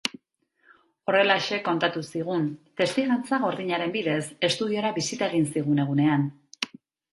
Horrelaxe kontatu zigun, testigantza gordinaren bidez, estudiora bisita egin zigun egunean.